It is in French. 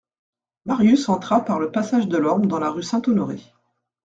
Marius entra par le passage Delorme dans la rue Saint-Honoré.